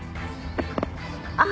あっ。